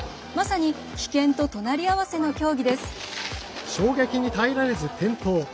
まさに危険と隣り合わせの競技です。